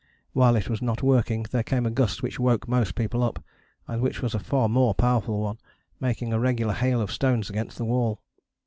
While it was not working there came a gust which woke most people up, and which was a far more powerful one, making a regular hail of stones against the wall.